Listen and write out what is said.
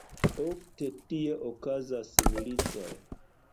Ofte tie okazas militoj.